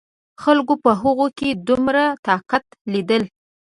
خلکو په هغه کې دومره طاقت لیدل.